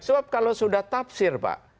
sebab kalau sudah tafsir pak